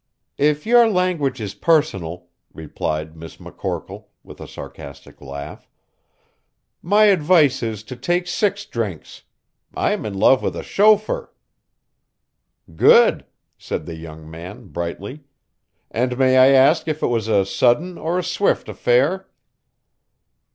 "If your language is personal," replied Miss McCorkle, with a sarcastic laugh, "my advice is to take six drinks. I'm in love with a chauffeur." "Good," said the young man, brightly, "and may I ask if it was a sudden or a swift affair?"